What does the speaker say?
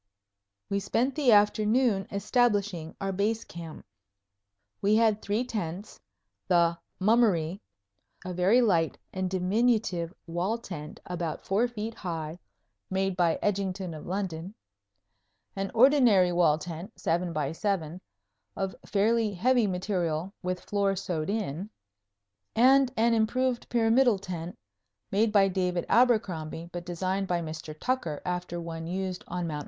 We spent the afternoon establishing our Base Camp. We had three tents, the "Mummery," a very light and diminutive wall tent about four feet high, made by Edgington of London; an ordinary wall tent, 7 by 7, of fairly heavy material, with floor sewed in; and an improved pyramidal tent, made by David Abercrombie, but designed by Mr. Tucker after one used on Mt.